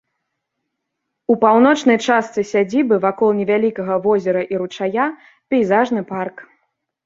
У паўночнай частцы сядзібы вакол невялікага возера і ручая пейзажны парк.